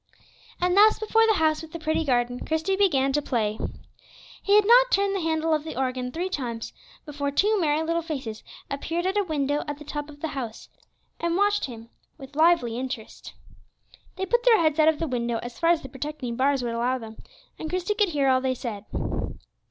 And thus, before the house with the pretty garden, Christie began to play. He had not turned the handle of the organ three times, before two merry little faces appeared at a window at the top of the house, and watched him with lively interest. They put their heads out of the window as far as the protecting bars would allow them, and Christie could hear all they said.